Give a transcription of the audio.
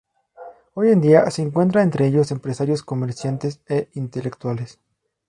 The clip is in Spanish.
Hoy en día se encuentran entre ellos empresarios, comerciantes e intelectuales.